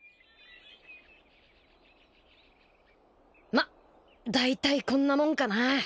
まっだいたいこんなもんかな。